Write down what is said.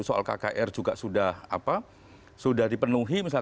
soal kkr juga sudah dipenuhi